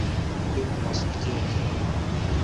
Dil masûlkeyek e.